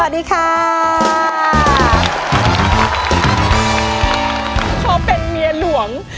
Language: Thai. เพราะเป็นเมียหลวง